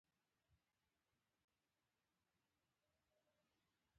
ما ورته وویل: ته خو یې ور واچوه، نن مو خوشحاله شپه ده.